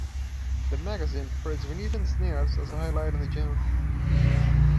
The magazine praised Venetian Snares as a highlight in the genre.